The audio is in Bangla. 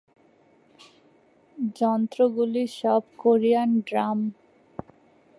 যন্ত্রগুলি সব কোরিয়ান ড্রাম।